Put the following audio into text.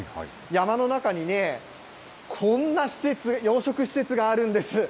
山の中にね、こんな施設、養殖施設があるんです。